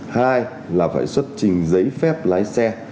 hai là phải xuất trình giấy phép lái xe